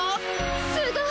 すごい！